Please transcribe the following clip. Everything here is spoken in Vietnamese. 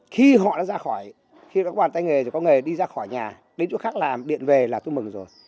khi họ đã ra khỏi khi họ có bàn tay nghề có nghề đi ra khỏi nhà đến chỗ khác làm điện về là tôi mừng rồi